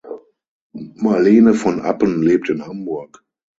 Marlene von Appen lebt in Hamburg.